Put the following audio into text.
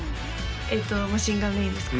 えっと「マシンガンレイン」ですか？